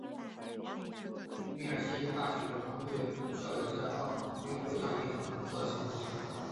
密歇根大学狼獾队的校友在奥运会上也有不错的成绩。